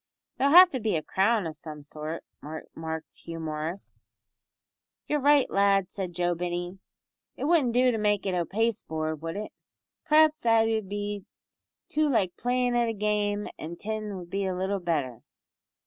"There'll have to be a crown o' some sort," remarked Hugh Morris. "You're right, lad," said Joe Binney. "It wouldn't do to make it o' pasteboard, would it? P'r'aps that 'ud be too like playin' at a game, an' tin would be little better."